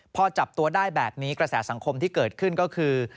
พอจับตัวได้แบบนี้กระแสสังคมที่เกิดขึ้นก็คือ